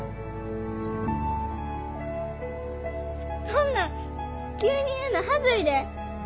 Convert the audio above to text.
そんなん急に言うの恥ずいで。